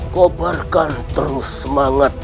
kobarkan terus semangat